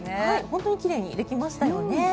本当に奇麗にできましたよね。